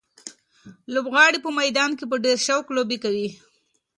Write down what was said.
لوبغاړي په میدان کې په ډېر شوق لوبې کوي.